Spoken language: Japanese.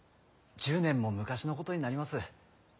１０年も昔のことになります。